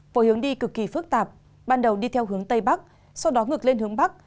với hướng đi cực kỳ phức tạp ban đầu đi theo hướng tây bắc sau đó ngược lên hướng bắc